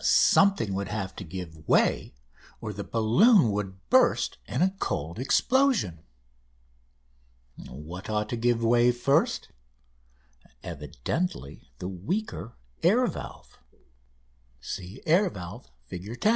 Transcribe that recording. Something would have to give way, or the balloon would burst in a "cold explosion." What ought to give way first? Evidently the weaker air valve ("Air Valve," Fig. 10).